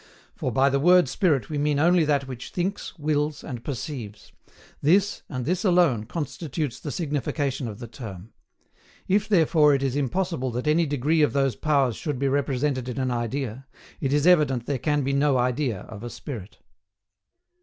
For, by the word spirit we mean only that which thinks, wills, and perceives; this, and this alone, constitutes the signification of the term. If therefore it is impossible that any degree of those powers should be represented in an idea, it is evident there can be no idea of a spirit.